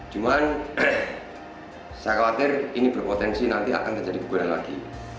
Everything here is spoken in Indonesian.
cuman saya khawatir ini berpotensi nanti akan terjadi kegunaan lagi